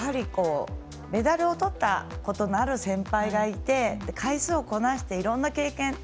メダルをとったことのある先輩がいて回数をこなしていろんな経験。